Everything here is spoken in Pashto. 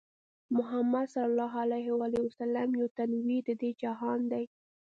محمدص چې يو تنوير د دې جهان دی